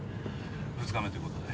２日目ということで。